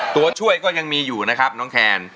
ตัวช่วยก็ยังมีอยู่นะครับน้องแคน